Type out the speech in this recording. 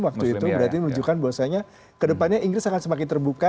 waktu itu berarti menunjukkan bahwasanya ke depannya inggris akan semakin terbuka